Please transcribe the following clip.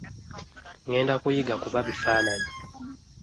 Ngenda kuyiga kuba bifaananyi.